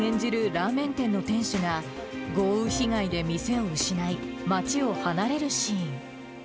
ラーメン店の店主が、豪雨被害で店を失い、街を離れるシーン。